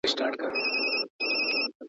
په ناحقه د چا وینه مه تویوئ.